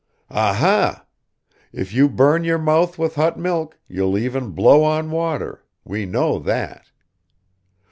"Aha! If you burn your mouth with hot milk, you'll even blow on water we know that!"